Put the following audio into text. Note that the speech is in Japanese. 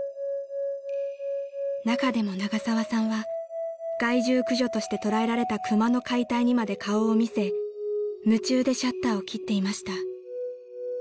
［中でも永沢さんは害獣駆除として捕らえられた熊の解体にまで顔を見せ夢中でシャッターを切っていました］